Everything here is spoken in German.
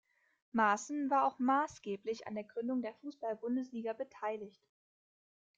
Maaßen war auch maßgeblich an der Gründung der Fußball-Bundesliga beteiligt.